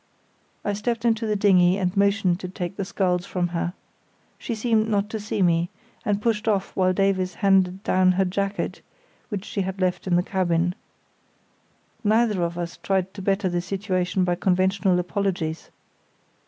I stepped into the dinghy and motioned to take the sculls from her. She seemed not to see me, and pushed off while Davies handed down her jacket, which she had left in the cabin. Neither of us tried to better the situation by conventional apologies.